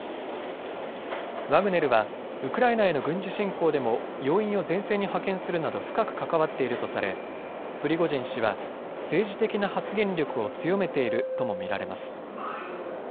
ワグネルはウクライナへの軍事侵攻でも要員を前線に派遣するなど深く関わっているとされプリゴジン氏は政治的な発言力を強めているとも見られます。